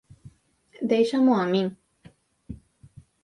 Déixamo a min.